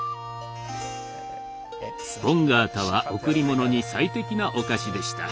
スポンガータは贈り物に最適なお菓子でした。